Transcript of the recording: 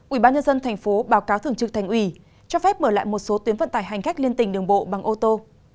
ubnd tp hcm báo cáo thường trực thành ủy cho phép mở lại một số tuyến vận tải hành khách liên tình đường bộ bằng ô tô